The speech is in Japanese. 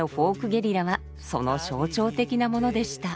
ゲリラはその象徴的なものでした。